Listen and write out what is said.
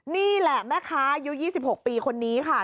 นี่แหละแม่ค้าอายุ๒๖ปีคนนี้ค่ะ